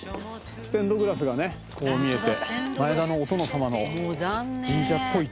ステンドグラスがね見えて前田のお殿様の神社っぽいっていうかね。